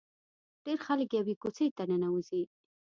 ډېر خلک یوې کوڅې ته ننوځي.